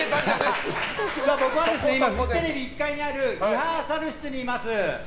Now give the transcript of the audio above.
フジテレビ１階にあるリハーサル室にいます。